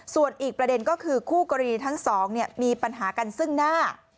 ส่วนอีกประเด็นก็คือคู่กรณีทั้งสองมีปัญหากันซึ่งหน้า